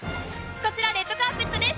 こちらレッドカーペットです。